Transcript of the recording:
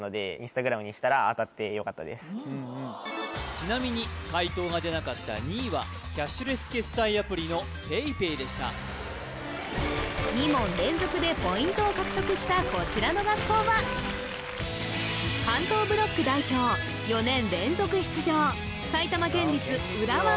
ちなみに解答が出なかった２位はキャッシュレス決済アプリのＰａｙＰａｙでした２問連続でポイントを獲得したこちらの学校は４年連続出場